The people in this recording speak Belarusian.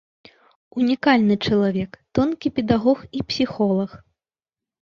Унікальны чалавек, тонкі педагог і псіхолаг!